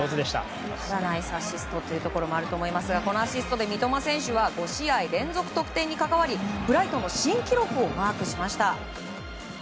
ナイスアシストというところもありますがこのアシストで三笘選手は５試合連続得点に関わりブライトンの新記録をマークしました。